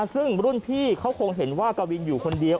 ซึ่งรุ่นพี่เขาคงเห็นว่ากวินอยู่คนเดียว